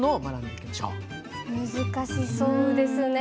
難しそうですね。